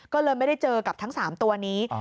ก็เลยไม่ได้เจอกับทั้ง๓ตัวนี้